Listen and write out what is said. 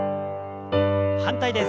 反対です。